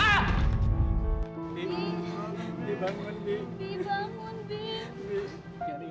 bi bangun bi